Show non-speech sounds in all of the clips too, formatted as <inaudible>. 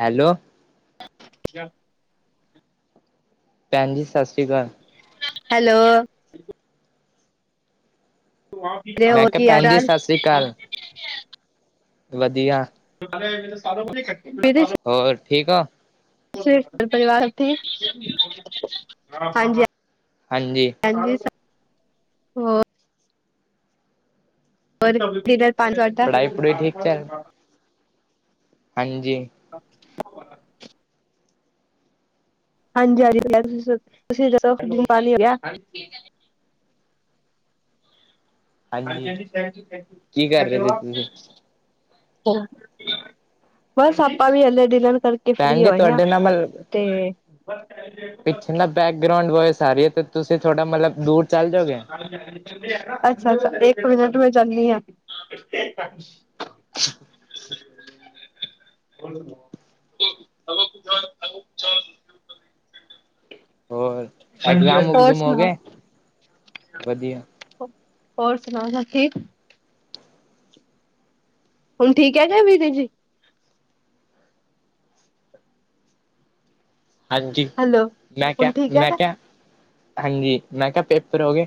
Hello! <unintelligible> ਭੈਣ ਜੀ, ਸਤਿ ਸ੍ਰੀ ਅਕਾਲ। ਹੈਲੋ! ਤੁ ਆਪ ਹੀ ਕੇਹਾ, ਮੈਂ ਔ ਕਿਹਾ ਘਿਆ ਭੈਣ ਜੀ ਦਾਲ ਸਤਿ ਵਦੀਆ। <unintelligible> ਮੇਰੇ ਹੋਰ, ਠੀਕ ਓ? <unintelligible> ਪਰਿਵਾਰ ਠੀਕ, ਹਾਂਜੀ ਹਾਂ ਹਾਂਜੀ। ਹਾਂਜੀ ਸ, ਹੋਰ। ਹੋਰ, ਪੜ੍ਹਾਈ ਪੜੂਈ ਠੀਕ ਚੱਲ <unintelligible> ਹਾਂਜੀ। <inaudible> ਹਾਂਜੀ-ਹਾਂਜੀ <unintelligible> ਤੁਸੀ ਜਦੋਂ ਪਾਣੀ ਹੈਗੀ ਐ- ਹਾਂਜੀ- ਹਾਂਜੀ, ਥੈਂਕ ਯੂ- ਥੈਂਕ ਯੂ, ਕੀ ਕਰ ਰਹੇ ਸੀ ਧਨੇਵਾਦ। ਤੁਸੀਂ ਬਸ ਆਪਾਂ ਵੀ ਹਲੇੇ ਡਿਨਰ ਕਰਕੇ ਫ੍ਰੀ ਭੈਣ ਜੀ ਹੋਏ ਆ। ਤੁਹਾਡੇ ਨਾਲ ਮਤਲਬ ਤੇ ਪਿੱਛੇ ਨਾ ਬੈਕਗਰਾਊਂਡ ਵੋਇਸ ਆ ਰੀ ਐ, ਤੇ ਤੁਸੀ ਥੋੜਾ ਮਲਬ ਦੂਰ ਚੱਲ ਜਾਓਗੇ ਅੱਛਾ-ਅੱਛਾ, ਇੱਕ ਮਿੰਟ ਮੈਂ ਜਾਨੀ ਆ। <inaudible> <unintelligible> ਹੋਰ, ਹੋਰ ਐਗਜ਼ਾਮ-ਉਗਜੁਮ ਸੁਣਾਓ ਹੋਗੇ, ਵਧੀਆ। ਹੋਰ ਸੁਣਾਓ, ਸਬ ਠੀਕ। ਹੁਨ ਠੀਕ ਐ ਕਿ ਵੀਰੇ ਜੀ। ਹਾਂਜੀ, ਹੈਲੋ ਮੈਂ ਕਿਆ- ਹੁਣ ਠੀਕ ਮੈਂ ਹੈਗਾ ਕਿਆ, ਹਾਂਜੀ, ਮੈਂ ਕਿਆ ਪੇਪਰ ਹੋਗੇ।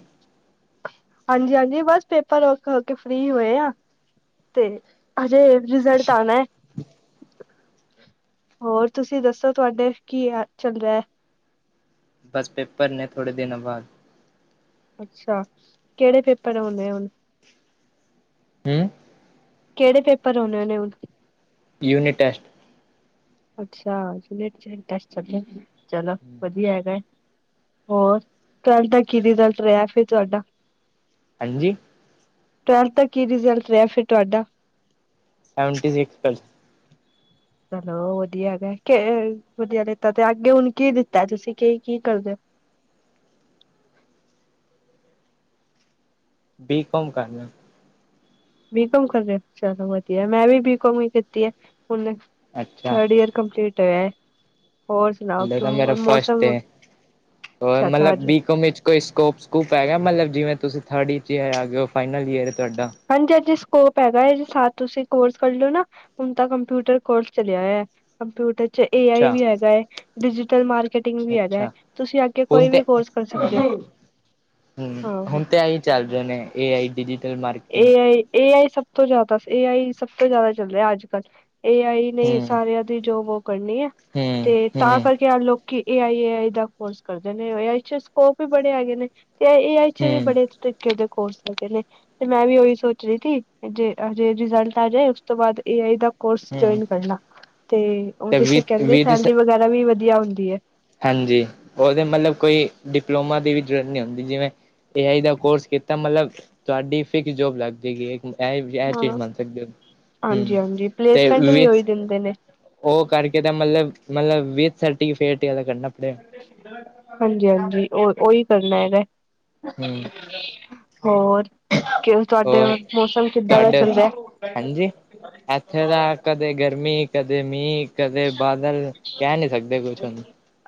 ਹਾਂਜੀ-ਹਾਂਜੀ ਬਸ ਪੇਪਰ ਵਰਕ ਕਰਕੇ ਹੋਕੇ ਫ੍ਰੀ ਹੋਏ ਆ ਤੇ ਹਜੇ ਰਿਜ਼ਲਟ ਆਣੈ। ਹੋਰ ਤੁਸੀ ਦੱਸੋ ਤੁਆਡੇ ਕੀਆ ਚੰਗਾ ਐ। ਬਸ ਪੇਪਰ ਨੇ ਥੋੜੇ ਦਿਨਾਂ ਬਾਦ। ਅੱਛਾ, ਕੇੜੇ ਪੇਪਰ ਆਉਨੇ ਹੁਨ। ਹੁੰ। ਕੇੜੇ ਪੇਪਰ ਹੋਨੇ ਨੇ ਹੁਨ? Unit- test. ਅੱਛਾ, ਯੂਨਟ੍ਰੀ ਟੈਸਟ ਚਲਨੇ <unintelligible> ਚਲੋ ਵਧੀਆ ਹੈਗੈ। ਹੋਰ, ਟੂਐਲਥ ਦਾ ਕੀ ਰਿਜ਼ਲਟ ਰਿਆ ਫੇਰ ਤੁਆਡਾ। ਹਾਂਜੀ। ਟੂਐਲਥ ਦਾ ਕੀ ਰਿਜ਼ਲਟ ਰਿਆ ਫੇਰ ਤੁਆਡਾ? ਸੈਵਂਟੀ ਸਿਕਸ ਪਰ ਚਲੋ ਵਧੀਆ ਹੈਗੈ, ਕੇ ਵਧੀਆ ਦਿਤਾ ਤੇ ਅੱਗੇ ਹੁਣ ਕੀ ਲਿਤੈ ਤੁਸੀਂ, ਕੀ, ਕੀ ਕਰਦੇ ਹੋ <inaudible> <inaudible> ਬੀ ਕੋੌਮ ਕਰਨਾ ਬੀਕਮ ਕਰ ਰਹੇ ਓ, ਚਲੋ ਵਧੀਆ ਮੈਂ ਵੀ ਬੀਕਮ ਹੀ ਕੀਤੀ ਐ ਹੁਣ ਅੱਛਾ ਥਰਡ ਈਅਰ ਕੰਪਲੀਟ ਹੋਇਆ ਐ। ਹੰਡੇ ਤਾਂ ਮੇਰਾ ਫਸਟ ਮੌਸਮ ਏ, ਅੱਛਾ ਅੱਛਾ ਮਲਬ ਹਾਂਜੀ ਬੀਕਮ ਵਿਚ ਕੋਈ ਸਕੋਪ ਸਕੂਪ ਹੈਗਾ ਮਤਲਬ ਜਿਵੇਂ ਤੁਸੀਂ ਥਰਡ ਈਅਰ ਚ ਆ ਗਏ ਹੋ ਫਾਈਨਲ ਈਅਰ ਤੁਹਾਡਾ ਹਾਂਜੀ- ਹਾਂਜੀ ਸਕੋਪ ਹੈਗਾ ਏ, ਸਾਥ ਤੁਸੀਂ ਕੋਰਸ ਕਰ ਲਿਓ ਨਾ ਹੁਣ ਤਾਂ ਕੰਪਿਊਟਰ ਕੋਰਸ ਚਲਿਆ ਹੋਇਆ, ਕੰਪਿਊਟਰ 'ਚ ਏ ਆਈ ਅੱਛਾ ਵੀ ਹੈਗਾ ਹੈ ਡਿਜੀਟਲ ਮਾਰ ਕਟਿੰਗ ਵੀ ਹੈਗਾ ਐ, ਅੱਛਾ ਤੁਸੀਂ ਆਗੇ ਹੁਣ ਕੋਈ ਤੇ ਵੀ ਕੋਰਸ ਕਰ ਹੂੰ ਸਕਦੇ ਓ। ਹੂੰ ਆਹੋ ਹੁਣ ਤੇ ਆਹੀ ਚੱਲ ਰਏ ਨੇ ਏ ਆਈ ਡੀ ਡੀ ਏ ਆਈ-ਏ ਆਈ ਸਭ ਤੋਂ ਜਾਦਾ ਏ ਆਈ ਸਭ ਤੋਂ ਜਾਦਾ ਚੱਲ ਰਿਆ ਅੱਜ ਕੱਲ ਏ ਆਈ ਨਈ ਹੂੰ ਸਾਰਿਆਂ ਦੀ ਜੋਬ ਓ ਕਰਨੀ ਏ ਹੂੰ ਤੇ ਤਾਂ ਹੂੰ ਕਰਕੇ ਅਨਲੋਕ ਕਿ ਏ ਆਈ-ਆਈ ਦਾ ਕੋਰਸ ਕਰਦੇ ਨੇ ਏ ਆਈ 'ਚ ਸਕੋਪ ਵੀ ਬੜੇ ਹੈਗੇ ਨੇ। ਤੇ ਏ ਆਈ 'ਚ ਵੀ ਹੂੰ ਬੜੇ ਤਰੀਕੇ ਦੇ ਕੋਰਸ ਹੈਗੇ ਨੇ। ਤੇ ਮੈਂ ਵੀ ਉਹੀ ਸੋਚ ਰਈ ਥੀ ਜੇ ਹਜੇ ਰਿਜਲਟ ਆ ਜਾਏ ਉਸ ਤੋਂ ਬਾਦ ਏ ਆਈ ਦਾ ਕੋਰਸ ਹੂੰ ਜੁਇਨ ਕਰਨਾ ਲਾਂ ਤੇ ਤੇ ਉਦੇ 'ਚ ਵਿਦ ਕੈਂਦੇ ਵਿਦ ਸੈਲਰੀ ਵਗੈਰਾ ਵੀ ਵਧੀਆ ਹੁੰਦੀ ਐ। ਹਾਂਜੀ ਉਦੇ ਮਤਲਬ ਕੋਈ ਡਿਪਲੋਮਾ ਦੀ ਵੀ ਜ਼ਰੂਰਤ ਨਈ ਹੁੰਦੀ ਜਿਵੇਂ ਏ ਆਈ ਦਾ ਕੋਰਸ ਕੀਤਾ ਮਤਲਬ ਤੁਹਾਡੀ ਫਿਕਸ ਜੋਬ ਲੱਗ ਜਾਏਗੀ। ਐ-ਐ ਚੀਜ਼ ਹਾਂ ਮੰਨ ਸਕਦੇ ਹੋ ਹੂੰ ਹਾਂਜੀ ਹਾਂਜੀ ਤੇ ਪਲੇਸਮੈਂਟ ਵੀ ਵੇ ਉਹੀ ਦਿੰਦੇ ਨੇ ਓ ਕਰਕੇ ਤਾਂ ਮਲਬ-ਮਲਬ ਵਿਥ ਸਰਟੀਫਕੇਟਦਾ ਕਰਨਾ ਪ ਹਾਂਜੀ-ਹਾਂਜੀ ਓ ਓਹੀ ਕਰਨਾ ਹੈਗਾ। ਹੂੰ ਹੋਰ ਕਿ ਤੁਹਾਡੇ ਹੋਰ ਮੌਸਮ ਕਿੱਦਾਂ ਦਾ ਤੁਹਾਡੇ ਚੱਲ ਰਿਐ। ਹਾਂਜੀ ਇੱਥੇ ਦਾ ਕਦੇ ਗਰਮੀ ਕਦੇ ਮੀਂਹ ਕਦੇ ਬਾਦਲ ਕੈ ਨਈ ਸਕਦੇ ਕੁਛ ਹੁਣ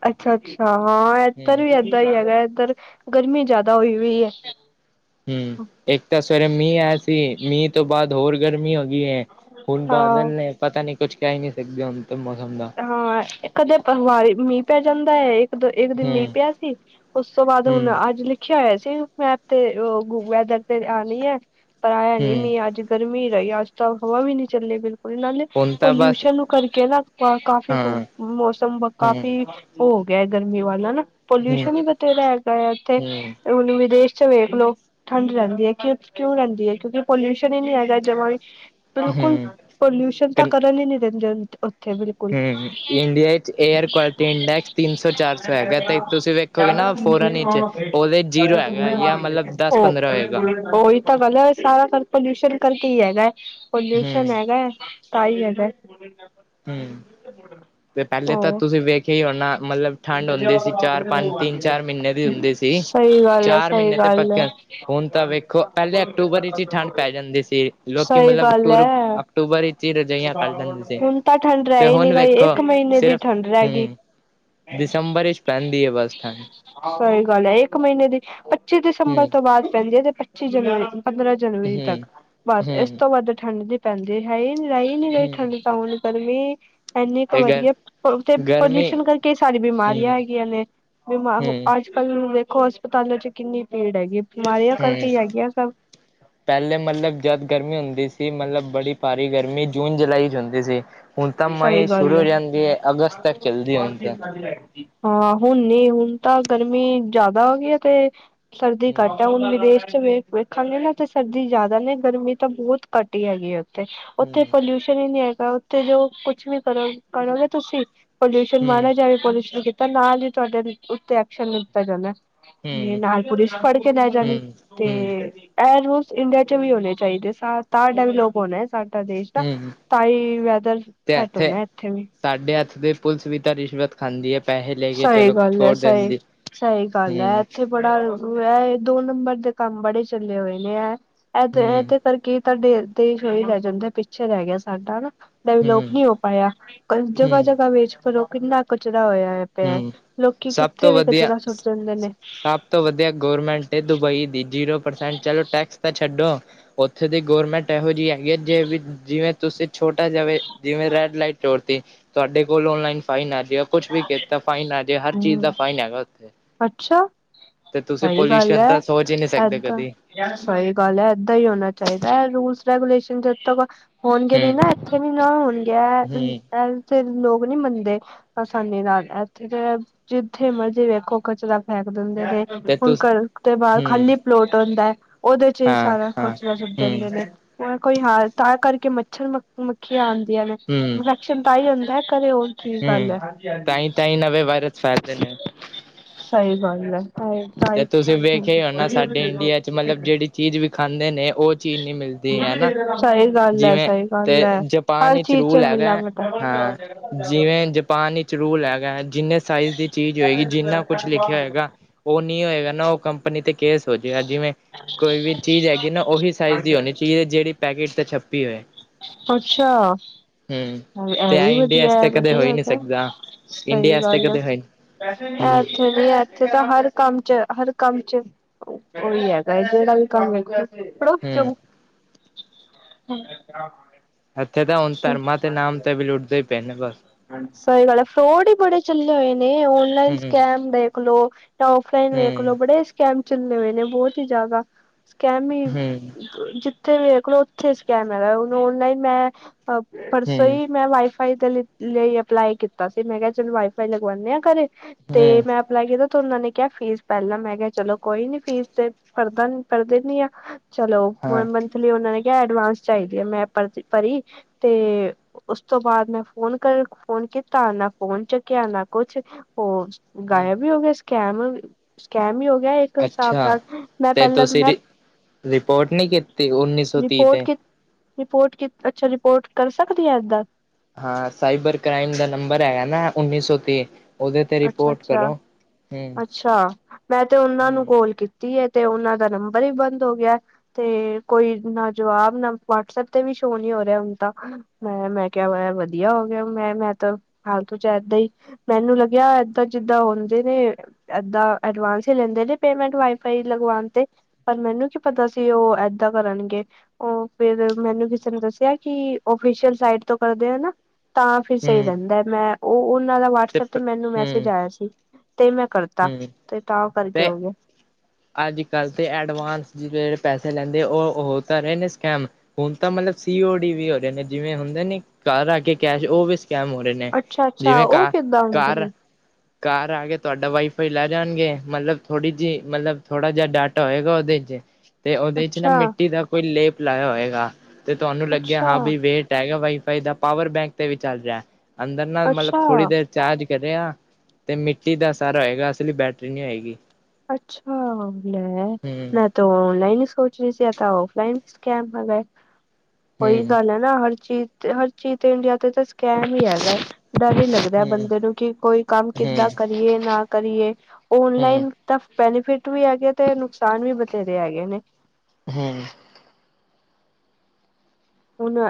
ਅੱਛਾ-ਅੱਛਾਹਾਂ ਏਧਰ ਵੀ ਏਦਾਂ ਈ ਹੈਗਾ ਏਧਰ ਗਰਮੀ ਜਾਦਾ ਹੋਈ ਹੋਈ ਹੈ। ਹੂੰ ਇੱਕ ਤਾਂ ਸਵੇਰੇ ਮੀਂਹ ਆਇਆ ਸੀ ਮੀਂਹ ਤੋਂ ਬਾਦ ਹੋਰ ਗਰਮੀ ਹੋ ਕੀ ਐ ਹੁਣ ਬਾਦਲ ਹਾਂ। ਨੇ ਪਤਾ ਨੀ ਕੁੱਛ ਕੈ ਹੀ ਨਈ ਸਕਦੇ ਹੁਣ ਤਾਂ ਮੌਸਮ ਦਾ ਹਾਂ ਇਕ ਕਦੇ ਵਾਰੀ ਮੀਂਹ ਪੈ ਜਾਂਦਾ ਏ। ਦ ਇੱਕ ਦਿਨ ਮੀਂਹ ਹੂੰ ਪਿਆ ਸੀ ਉਸ ਤੋਂ ਬਾਦ ਹੁਣ ਹੂੰ ਅੱਜ ਲਿਖ ਦੇਖਿਆ ਹੋਇਆ ਸੀ ਮੈਪ ਤੇ ਓ ਵੈਦਰ ਤੇ ਆਉਣੀ ਹੈ ਪਰ ਆਇਆ ਨੀ ਹੂੰ ਮੀਂਹ ਅੱਜ ਗਰਮੀ ਰਈ ਅੱਜ ਤਾਂ ਹਵਾ ਵੀ ਨਈ ਚੱਲੇ ਬਿਲਕੁਲ ਨਾਲੇ ਹੁਣ ਤਾਂ ਬਸ ਪੋਲਿਊਸ਼ਨ ਨੂੰ ਕਰਕੇ ਨਾ ਕਾਫ਼ੀ ਹਾਂ ਮੌਸਮ ਹੂੰ ਕਾਫੀ ਹੋ ਗਿਆ ਗਰਮੀ ਵਾਲਾ ਨਾ। ਹੂੰ ਪੋਲਿਊਸ਼ਨ ਈ ਬਥੇਰਾ ਹੈਗਾ ਆ ਉੱਥੇ ਹੂੰ ਹੁਣ ਵਿਦੇਸ਼ 'ਚ ਵੇਖ ਲੋ। ਠੰਡ ਰੈਂਦੀ ਏ ਕਿ ਕਿਉਂ ਰੈਂਦੀ ਏ ਕਿਉਂਕਿ ਪੋਲਿਊਸ਼ਨ ਹੀ ਨਈ ਹੈਗਾ ਜਮਾ ਵੀ ਬਿਲਕੁਲ ਹੂੰ ਪੋਲਿਊਸ਼ਨ ਤਾਂ ਕਰਨ ਹੀ ਨੀ ਦਿੰਦੇ ਉੱਥੇ ਬਿਲ ਹੂੰ ਇੰਡੀਆ 'ਚ ਏਅਰ ਕੁਆਲਿਟੀ ਇੰਡੈਕਸ ਤਿੰਨ ਸੌ ਚਾਰ ਸੌ ਹੈਗਾ ਤੇ ਤੁਸੀਂ ਵੇਖ ਹੂੰ ਹੈਗਾ ਜਾਂ ਮਤਲਬ ਦਸ ਪੰਦਰਾਂ ਹੋਏਗਾ ਉਹੀ ਤਾਂ ਗਲ ਸਾਰਾ ਕਰ ਪੋਲਿਊਸ਼ਨ ਕਰਕੇ ਈ ਹੈਗਾ ਹੂੰ ਪੋਲਿਊਸ਼ਨ ਹੈਗਾ। ਤਾ ਈ ਹੈਗਾ। ਹੂੰ ਤੇ ਪੈਲੇ ਤਾਂ ਹੋ ਤੁਸੀਂ ਵੇਖਿਆ ਹੀ ਹੋਣਾ ਮਤਲਬ ਠੰਡ ਹੁੰਦੀ ਸੀ ਚਾਰ ਪੰਜ ਤਿੰਨ ਚਾਰ ਮ੍ਹੀਨੇ ਦੀ ਹੁੰਦੀ ਸੀ। ਸਹੀ ਗੱਲ ਹੈ ਚਾਰ ਸਹੀ ਮ੍ਹੀਨੇ ਤੇ ਗੱਲ ਹੈ ਪੱਕੇ ਹੁਣ ਤਾਂ ਵੇਖੋ ਪੈਲੇ ਅਕਤੂਬਰ 'ਚ ਈ ਠੰਡ ਪੈ ਜਾਂਦੀ ਸੀ। ਲੋਕ ਸਹੀ ਮਤਲਬ ਗੱਲ ਅਕਤੂ ਹੈ ਅਕਟੂਬਰ 'ਚ ਈ ਰਜਾਈਆਂ ਕਢ ਲੈਂਦੇ ਸੀ। ਹੁਣ ਤਾਂ ਠੰਡ ਰੈ ਤੇ ਨੀ ਹੁਣ ਰਈ ਗਈ ਵੇਖੋ ਇੱਕ ਮਹੀਨੇ ਦੀ ਸਿਰਫ ਠੰਡ ਰੈ ਗਈ। ਹੂੰ ਦਸੰਬਰ 'ਚ ਪੈਂਦੀ ਹੈ ਬੱਸ ਠੰਡ ਸਈ ਗੱਲ ਐ ਇੱਕ ਮ੍ਹੀਨੇ ਦੀ ਪੱਚੀ ਦਸੰਬਰ ਹੂੰ ਤੋਂ ਪੈਂਦੀ ਹੈ ਤੇ ਪੱਚੀ ਜਨਵਰੀ ਪੰਦਰਾਂ ਜਨਵਰੀ ਹੂੰ ਤੱਕ ਬਸ ਇਸ ਹੂੰ ਤੋਂ ਵੱਧ ਠੰਢ ਦੀ ਪੈਂਦੇ ਹੈ ਹੀ ਰਈ ਨੀ ਰਈ ਹੂੰ ਠੰਡ ਤਾਂ ਹੁਣ ਗਰਮੀ ਇੰਨੀ ਕੁ ਤੇ ਗਰ ਵਧੀਆ ਗਰਮੀ ਪੋਲਿਊਸ਼ਨ ਕਰਕੇ ਸਾਰੀ ਹੂੰ ਬਿਮਾਰੀਆਂ ਹੈਗੀਆਂ ਨੇ ਬਿਮਾ ਹੂੰ ਕੱਲ ਦੇੇਖੋ ਹਸਪਤਾਲਾਂ 'ਚ ਕਿੰਨੀ ਭੀੜ ਹੈਗੀ ਬਿਮਾਰੀਆਂ ਕਰਕੇ ਹੈਗੀਆਂ ਸਭ ਪੈਲੇ ਮਤਲਬ ਜਦ ਗਰਮੀ ਹੁੰਦੀ ਸੀ ਮਤਲਬ ਬੜੀ ਭਾਰੀ ਗਰਮੀ ਗਰਮੀ ਜੂਨ ਜੁਲਾਈ 'ਚ ਹੁੰਦੀ ਸੀ ਹੁਣ ਤਾਂ ਸਹੀ ਮਈ ਗੱਲ ਸ਼ੁਰੂ ਹੋ ਹੈ ਜਾਂਦੀ ਏ ਅਗਸਤ ਤੱਕ ਚੱਲਦੀ ਹੁਣ ਤਾਂ <inaudible> ਹਾਂ ਹੁਣ ਨਈ ਹੁਣ ਤਾਂ ਗਰਮੀ ਜਾਦਾ ਹੋ ਗਈ ਏ ਤੇ ਸਰਦੀ ਹਮ ਘੱਟ ਏ ਹੁਣ ਵਿਦੇਸ਼ ਵੇਖ ਵੇਖਾਂਗੇ ਨਾ ਤੇ ਸਰਦੀ ਜ਼ਿਆਦਾ ਨੇ, ਗਰਮੀ ਤਾਂ ਬਹੁਤ ਘੱਟ ਹੀ ਹੈਗੀ ਆ। ਉੱਥੇ ਹਮ ਪੋਲਿਊਸ਼ਨ ਹੀ ਨੀ ਹੈਗਾ, ਉੱਥੇ ਜੋ ਕੁਛ ਵੀ ਕਰੋ ਕਰੋਗੇ ਤੁਸੀਂ ਪੋਲਿਊਸ਼ਨ ਹਮ ਮਾੜਾ ਜਾਵੇ, ਪੋਲਿਊਸ਼ਨ ਕੀਤਾ ਨਾਲ ਹੀ ਤੁਹਾਡੇ ਉੱਤੇ ਐਕਸ਼ਨ ਲੀਤਾ ਜਾਂਦਾ। ਤੇ ਹਮ ਨਾਲ ਪੁਲਿਸ ਫੜ ਕੇ ਲੈ ਜਾਣੀ, ਹਮ ਤੇ ਹਮ ਇਹ ਰੁਲਸ ਇੰਡੀਆ ਚ ਵੀ ਹੋਣੇ ਚਾਹੀਦੇ, ਸ ਤਾਂ <unintelligible> ਹੋਣਾ ਸਾਡਾ ਦੇਸ਼ ਤਾ, ਹਮ ਤਾਂਹੀ ਵੈਦਰ ਸੈਟ ਹੁੰਦਾ ਇੱਥੇ ਵੀ। ਸਾਡੇ ਇਥੇ ਦੇ ਪੁਲਿਸ ਵੀ ਤਾਂ ਰਿਸ਼ਵਤ ਖਾਂਦੀ ਹੈ, ਪੈਹੈ ਸਹੀ ਗੱਲ ਹੈ, ਸਹੀ, ਸਹੀ ਗੱਲ ਹੈ ਹਮ ਇੱਥੇ ਬੜਾ ਇਹ ਦੋ ਨੰਬਰ ਦੇ ਕੰਮ ਬੜੇ ਚੱਲੇ ਹੋਏ ਨੇ ਐਹ, ਇਹਦੇ, ਹਮ ਇਹਦੇ ਕਰਕੇ ਸਾਡੇ ਅੱਧੇ ਚੋ ਹੀ ਰਹਿ ਜਾਂਦਾ, ਪਿੱਛੇ ਰਹਿ ਗਿਆ ਸਾਡਾ ਹਨਾ। ਇਹ ਦਾ ਵੀਲੋਪ ਹਮ ਨਹੀਂ ਹੋ ਪਾਇਆ, ਕਈ ਜਗ੍ਹਾ, ਹਮ ਜਗ੍ਹਾ ਵੇਚ ਕਰੋ ਕਿੰਨਾ ਕਚਰਾ ਹੋਇਆ ਹੈ। ਪਿਆ, ਹਮ ਲੋਕੀ ਸਭ ਕਿੱਥੇ ਤੋਂ ਵੀ ਵਧੀਆ ਕਚਰਾਂ ਸੁੱਟ ਦਿੰਦੇ ਨੇ। ਸਭ ਤੋਂ ਵਧੀਆ ਗਵਰਮੈਂਟ ਦੁਬਈ ਦੀ, ਜੀਰੋ ਪਰਸੈਂਟ ਚਲੋ ਟੈਕਸ ਤਾਂ ਛੱਡੋ। ਉੱਥੇ ਦੀ ਗੌਰਮੈਂਟ ਇਹੋ ਜਿਹੀ ਹੈਗੀ ਹੈ, ਜੇ ਵੀ ਜਿਵੇਂ ਤੁਸੀਂ ਛੋਟਾ ਜੇਵੇ ਜਿਵੇਂ ਰੈਡ ਲਾਈਟ ਛੋੜ ਤੀ ਤੁਹਾਡੇ ਕੋਲੋ ਓਨਲਾਈਨ ਫਾਈਨ ਯਾ ਕੁਛ ਵੀ ਕਹਿਤਾ ਫਾਈਨ ਆ ਜੇ, ਹਰ ਚੀਜ਼ ਦਾ ਹਮ ਫਾਈਨ ਹੈਗਾ ਉਥੇ। ਅੱਛਾ ਤੇ ਤੁਸੀਂ ਸਹੀ ਗੱਲ ਪੋਲਿਊਸ਼ਨ ਹੈ ਤਾਂ ਸੋਚ ਹੀ ਨਹੀਂ ਸਕਦੇ ਕਦੀ। ਏਦਾਂ ਸਹੀ ਗੱਲ ਹੈ ਏਦਾਂ ਹੀ ਹੋਣਾ ਚਾਹੀਦਾ ਹੈ, ਇਹ ਰੂਲਸ ਰੈਗੂਲੇਸ਼ਨ ਜਦ ਤ ਹੋਣਗੇ ਨਹੀਂ ਨਾ ਹੂੰ ਇੱਥੇ ਨੀ ਨਾ ਹੋਣਗੇ, ਹੂੰ ਇਹ ਫੇਰ ਲੋਕ ਨਹੀਂ ਮੰਨਦੇ। ਆਸਾਨੀ ਨਾਲ, ਇੱਥੇ ਤਾਂ ਜਿੱਥੇ ਮਰਜ਼ੀ ਵੇਖੋ ਕਚਰਾ ਫੇਕ ਦਿੰਦੇ ਨੇ। ਤੇ ਹੁਣ ਤੁਸ ਘਰ ਤੋਂ ਬਾਅਦ ਹੂੰ ਖਾਲੀ ਪਲੋਟ ਹੁੰਦਾ ਹੈ, ਔਹਦੇ ਚ ਹੀ ਹਾਂ ਸਾਰਾ ਹਾਂ ਕਚਰਾ ਸੁੱਟ ਹੂੰ ਜਾਂਦੇ ਨੇ। ਹੈ ਕੋਈ ਹਾਂਲ, ਤਾਂ ਕਰਕੇ ਮੱਛਰ ਮ ਮੱਖੀਆਂ ਆਉਂਦੀਆਂ ਨੇ ਹੂੰ ਇਨਫੈਕਸ਼ਨ ਤਾਂ ਹੀ ਹੁੰਦਾ ਹੈ। ਘਰੇ ਹੋਰ ਕੀ ਗੱਲ ਹੂੰ ਆ। ਤਾਂਹੀ ਤਾਂਹੀ ਨਵੇਂ ਵਾਇਰਸ ਫੈਲਦੇ ਨੇ ਸਹੀ ਗੱਲ ਆ, ਤੇ ਤਾਈਂ ਤੁਸੀਂ ਵੇਖਿਆ ਹੀ ਹੋਣਾ ਸਾਡੇ ਇੰਡੀਆ ਚ ਮਤਲਬ ਜਿਹੜੀ ਚੀਜ਼ ਵੀ ਖਾਂਦੇ ਨੇ, ਉਹ ਚੀਜ਼ ਨਹੀਂ ਮਿਲਦੀ ਹਨਾ। ਸਹੀ ਗੱਲ ਹੈ, ਜਿਵੇਂ ਸਹੀ ਗੱਲ ਤੇ ਹੈ। ਜਪਾਨ ਹਰ ਵਿੱਚ ਚੀਜ਼ ਚ ਰੂਲ ਹੈਗਾ, ਮਿਲਾਵਟ ਹੈ। ਹਾਂ ਜਿਵੇਂ ਜਪ ਜਪਾਣ ਚ ਰੂਲ ਹੈਗਾ ਹੈ, ਜਿੰਨੇ ਸਾਈਜ਼ ਦੀ ਚੀਜ਼ ਹੋਏਗੀ ਜਿੰਨਾ ਕੁਛ ਲਿਖਿਆ ਹੋਏਗਾ ਔਹ ਨਹੀਂ ਹੋਏਗਾ ਨਾ ਉਹ ਕੰਮ ਆਪਣੇ ਤੇ ਕੇਸ ਹੋ ਜੇਗਾ, ਜਿਵੇਂ ਕੋਈ ਵੀ ਚੀਜ਼ ਹੈਗੀ ਨਾ ਉਹੀ ਸਾਈਜ਼ ਦੀ ਹੋਣੀ ਚਾਹੀਏ ਜਿਹੜੀ ਪੈਕਟ ਤੇ ਛੱਪੀ ਹੋਏ। ਅੱਛਾ, ਹਮ ਤੇ ਐ ਐਵੀ ਇੰਡੀਆ ਵਧੀਆ ਐ ਤੇ ਕਦੇ ਹੋ ਹੀ ਵਧੀਆ ਨਹੀਂ ਫੇਰ। ਸਕਦਾ ਇੰਡੀਆ ਸਹੀ ਵਾਸਤੇ ਗੱਲ ਆ, ਕਦੇ ਹੋਈ ਹਮ ਇਹ ਇਥੇ ਇੱਥੇ ਤਾਂ ਹਰ ਕੰਮ ਚ, ਹਰ ਕੰਮ ਚ ਔਹੀ ਹੈਗਾ ਹੈ, ਜਿਹੜਾ ਵੀ ਕੰਮ ਹੈਗਾ ਪੜੋਸ ਚੋ ਹਮ ਏਥੇ ਤਾਂ ਹੁਣ ਧਰਮਾਂ ਤੇ ਨਾਮ ਤੇ ਵੀ ਲੁੱਟਦੇ ਲੁੱਟਦੇ ਨੇ ਬਸ। ਸਹੀ ਗੱਲ ਹੈ, ਫਰੋਡ ਹੀ ਬੜੇ ਚੱਲੇ ਹੋਏ ਨੇ ਔਨਲਾਈਨ ਹਮ ਸਕੈਮ ਦੇ। ਖਲੋ, ਜਾਂ ਓਫਲਾਈਨ ਵੇਖ ਹੂੰ, ਲੋ ਬੜੇ ਸਕੈਮ ਚੱਲੇ ਹੋਏ ਨੇ ਬਹੁਤ ਹੀ ਜ਼ਿਆਦਾ। ਸਕੈਮ ਹੀ, ਹੂੰ, ਜਿੱਥੇ ਵੇਖ ਲੋ ਹੀ ਉੱਥੇ ਸਕੈਮ ਹੈਗਾ, ਹੁਣ ਓਨਲਾਈਨ ਮੈਂ ਪਰਸੋਂ ਹੂੰ, ਹੀ ਮੈਂ ਵਾਈਫ ਵਾਈਫਾਈ ਲਈ ਅਪਲਾਈ ਕੀਤਾ ਸੀ, ਮੈਂ ਕਿਹਾ ਚਲੋ ਵਾਈਫਾਈ ਲਗਵਾਣੇ ਆ ਘਰੇ ਤੇ ਹੂੰ, ਮੈਂ ਅਪਲਾਈ ਕੀਤਾ ਤੇ ਉਹ ਨੇ ਕਿਹਾ ਫੀਸ ਪਹਿਲਾਂ, ਮੈਂ ਕਿਹਾ ਚਲੋ ਕੋਈ ਨੀ ਫੀਸ ਤੇ ਪੜਦਾ ਪਰ ਦੇਣੀ ਆ। ਚਲੋ ਹਾਂ। ਮੰਥਲੀ ਉਹਨਾ ਨੇ ਕਿਹਾ ਐਡਵਾਂਸ ਚਾਹੀਦੀ ਹੈ, ਮੈਂ ਪਰ ਪਰੀ ਤੇ ਉਸ ਤੋਂ ਬਾਅਦ ਮੈਂ ਫੋਨ ਕਰ ਫੋਨ ਕੀਤਾ ਨਾ ਫੋਨ ਚੁੱਕਿਆ, ਨਾ ਕੁਛ ਹੋ ਗਾਇਬ ਵੀ ਹੋ ਗਿਆ, ਸਕੈਮ ਸਕੈਮ ਵੀ ਹੋ ਗਿਆ ਏ। ਹਿਸਾਬ ਅੱਛਾ, ਨਾਲ ਮੈਂ ਤੇ ਪਹਿਲਾਂ ਤੁਸੀਂ ਮੈਂ ਰਿ ਰਿਪੋਰਟ ਨੀ ਕੀਤੀ ਉੱਨੀ ਸੌ ਤੀਹ ਰਿਪੋਰਟ ਤੇ? ਕੇ ਰਿਪੋਰਟ 'ਚ ਅੱਛਾ, ਰਿਪੋਰਟ ਕਰ ਸਕਦੇ ਏ, ਏਦਾਂ ਹਾਂ, ਸਾਈਬਰ ਕ੍ਰਾਈਮ ਦਾ ਨੰਬਰ ਹੈਗਾ ਨਾ, ਉੱਨੀ ਸੌ ਤੀਹ ਉਹਦੇ ਤੇ ਅੱਛਾ ਰਿਪੋਰਟ ਅੱਛਾ, ਕਰੋ। ਹੂੰ, ਅੱਛਾ, ਮੈਂ ਤੇ ਉਹਨਾਂ ਹੂੰ, ਨੂੰ ਕੋਲ ਕੀਤ ਕੀ, ਏ, ਤੇ ਓਨਾ ਦਾ ਨੰਬਰ ਈ ਬੰਦ ਹੋ ਗਿਆ ਤੇ ਕੋਈ ਨਾ ਜਵਾਬ, ਨਾ ਵਾਟਸਐਪ ਤੇ ਵੀ ਸ਼ੋਅ ਨੀ ਹੋ ਰਿਹਾ, ਹੁਨਤਾਂ ਮੈਂ ਮੈਂ ਕਿਹਾ ਵੇ ਵਧੀਆ ਹੋ ਗਿਆ, ਮੈਂ ਮੈਂ ਤਾਂ ਫਾਲਤੂ ਚ ਇਦਾਂ ਹੀ ਮੈਨੂੰ ਲੱਗ ਏਦਾਂ ਜਿੱਦਾਂ ਹੁੰਦੇ ਨੇ ਏਦਾਂ ਐਡਵਾਂਸ ਹੀ ਲੈਂਦੇ ਨੇ ਪੇਮੈਂਟ, ਵਾਈਫਾਈ ਲਗਵਾਣ ਤੇ ਪਰ, ਮੈਨੂੰ ਕੀ ਪਤਾ ਸੀ, ਉਹ ਏਦਾਂ ਕਰਨਗੇ। ਉਹ ਫਿਰ ਮੈਨੂੰ ਕਿਸੇ ਨੇ ਦੱਸਿਆ ਕਿ, ਓਫੀਸ਼ਅਲ ਸਾਈਟ ਤੋਂ ਕਰਦੇ ਏ ਨਾ ਤਾਂ ਫਿਰ ਸਹੀ ਹੂੰ, ਰਹਿੰਦਾ, ਮੈਂ ਉ ਉਨਾਂ ਦਾ ਵਟਸਐਪ ਤੇ ਮੈਨੂੰ ਮੈਸੇਜ ਆਇਆ ਸੀ। ਤੇ ਮੈਂ ਕਰਤਾ, ਹੂੰ ਤੇ ਤਾਂ ਕਰਕੇ ਹੋਗਿਆ ਅੱਜ ਕੱਲ੍ਹ ਤੇ ਐਡਵਾਂਸ ਜਿਦੇ ਪੈਸੇ ਲੈਂਦੇ, ਉਹ ਉਹ ਤਾਂ ਰਹੇ ਨੇ ਸਕੈਮ ਹੁਣ ਤਾਂ ਮਤਲਬ ਸੀਓ ਡੀ ਵੀ ਹੋ ਰਹੇ ਨੇ, ਜਿਵੇਂ ਹੁੰਦੇ ਨੇ ਘਰ ਆ ਕੇ ਕੈਸ਼, ਉਹ ਵੀ ਸਕੈਮ ਹੋ ਰਹੇ ਨੇ ਅੱਛਾ ਅੱਛਾ ਜੀਵੇ ਉਹ ਘਾ ਕਿੱਦਾਂ ਹੁੰਦੇ ਘਰ ਨੇ ਘਰ ਆ ਕੇ ਤੁਹਾਡਾ ਵਾਈਫਾਈ ਲੈ ਜਾਣਗੇ, ਮਤਲਬ ਥੋੜ੍ਹੀ ਜਿਹੀ, ਮਤਲਬ ਥੋੜ੍ਹਾ ਜਿਹਾ ਡਾਟਾ ਹੋਏਗਾ ਉਹਦੇ 'ਚ, ਤੇ ਉਹਦੇ 'ਚ ਨਾ ਅੱਛਾ ਮਿੱਟੀ ਦਾ ਕੋਈ ਲੇਪ ਲਾਇਆ ਹੋਏਗਾ। ਤੇ ਤੁਹਾਨੂੰ ਲੱਗਿਆ ਅੱਛਾ ਹਾਂ ਬਈ ਵੈਟ ਆਏਗਾ ਵਾਈਫਾਈ ਦਾ ਪਾਵਰ ਬੈਂਕ ਤੇ ਵੀ ਚੱਲ ਜੈ ਅੰਦਰ ਨਾਲ ਮਤਲਬ ਥੋੜੀ ਅੱਛਾ ਦੇਰ ਚਾਰਜ ਕਰਿਆ, ਤੇ ਮਿੱਟੀ ਦਾ ਸਾਰਾ ਹੋਏਗਾ, ਅਸਲੀ ਬੈਟਰੀ ਨੀ ਹੇਏਗੀ। ਅੱਛਾ ਮੈ ਹੂੰ ਰਾ ਤੇ ਔਨਲਾਈਨ ਸੋਚ ਰ ਸੀ, ਤਾਂ ਔਫਲਾਈਨੈਮ ਸਕੈਮ ਹੈਗਾ, ਓਇ ਹੂੰ ਗਲ ਹੈ ਨਾ ਨਾ ਹਰ ਚੀਜ਼, ਤੇ ਹਰ ਚੀਜ਼, ਤੇ ਇੰਡੀਆ ਤੇ ਤਾਂ ਸਕਾਮ ਹੀ ਹੈਗਾ ਏ, ਡਰ ਹੀ ਲੱਗਦਾ, ਹੂੰ ਬੰਦੇ ਨੂੰ ਕਿ ਕੋਈ ਕੰਮ ਹੂੰ ਕਿੱਦਾਂ ਕਰੀਏ ਨਾ ਕਰੀਏ ਹੂੰ ਓਨਲਾਈਨ ਦਾ ਬੈਨੀਫਿਟ ਵੀ ਹੈਗੇ, ਤੇ ਨੁਕਸਾਨ ਵੀ ਬਥੇਰੇ ਹੈਗੇ ਨੇ <unintelligible> ਹੁਣ ਏ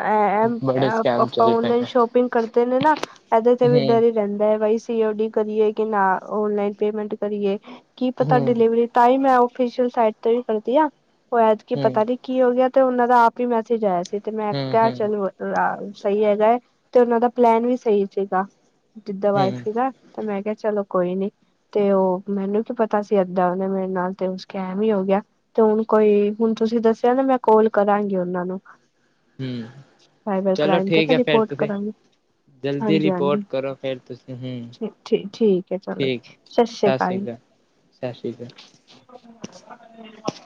ਏ ਬੜੇ ਸਕੈਮ ਆਪਾਂ ਚੱਲ ਪਏ ਓਨਲਾਈਨ ਸ਼ੋਪਿੰਗ ਕਰਦੇ ਨੇ ਨਾ, ਇਹਦੇ ਤੇ ਹੂੰ ਵੀ ਹੂੰ ਡਰੀ ਰਹਿੰਦਾ ਹੈ, ਬਾਈ ਸੀ ਓ ਡੀ ਕਰੀਏ ਕੇ ਨਾ, ਓਨਲਾਈਨ ਪੇਮੈਂਟ ਕਰੀਏ ਕੀ ਪਤਾ ਹੂੰ ਡਿਲੀਵਰੀ ਤਾਂ ਹਿ ਮੈ ਔਫਈਸ਼ਲ ਸਾਈਟ ਤੇ ਵੀ ਕਰਦੀ, ਆ ਉਹ ਐਤਕਿ ਹੂੰ ਪਤਾ ਨੀ ਕੀ ਹੋ ਗਿਆ, ਤੇ ਉਹਨਾਂ ਦਾ ਆਪ ਹੀ ਮੈਸੇਜ ਆਇਆ ਸੀ, ਤੇ ਮੈਂ ਹੂੰ ਕਿਹਾ ਚਲੋ ਸਹੀ ਹੈਗਾ ਹੈ, ਤੇ ਉਹਨਾਂ ਦਾ ਪਲੈਨ ਵੀ ਸਹੀ ਸੀਗਾ, ਜਿੱਦਾਂ ਵਾਈ ਹੂੰ ਫਾਈ ਦਾ ਤੇ ਮੈਂ ਕਿਹਾ, ਚਲੋ ਕੋਈ ਨੀ ਤੇ, ਉ ਮੈਨੂੰ ਕੀ ਪਤਾ ਸੀ, ਏਦਾਂ ਉਹਨੇ ਮੇਰੇ ਨਾਲ ਤੇ ਉ ਸਕੈਮ ਹੀ ਹੋ ਗਿਆ। ਤੇ ਹੁਣ ਕੋਈ ਹੁਣ ਤੁਸੀਂ ਦੱਸਿਆ ਨਾ, ਮੈਂ ਕੋਲ ਕਰਾਂਗੀ, ਓਨਾਂ ਨੂੰ ਹੂੰਮ, ਸਾਈਬਰ ਚਲੋ ਕ੍ਰਾਈਮ ਤੇ ਠੀਕ ਨਾ ਐ ਫੇਰ, ਰਿਪੋਰਟ ਤੁਸੀਂ ਕਰਾਂਗੇ ਜਲਦੀ ਹਾਂਜੀ ਰਿਪੋਟ ਹਾਂਜੀ ਕਰੋ ਫੇਰ ਤੁਸੀਂ, ਹਮ, ਠੀ ਠੀਕ ਠੀਕ ਹੈ ਚਲੋ ਠੀਕ, ਜੀ। ਸਤਿ ਸ੍ਰੀ ਸਸ ਸੀ ਅਕਾਲ ਕਾਲ ਸਸ ਸੀ ਕਾਲ। <unintelligible>